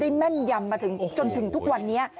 ได้แม่นยำมาจนถึงทุกวันนี้